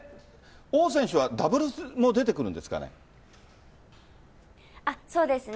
王選手はダブルスも出てくるんでそうですね。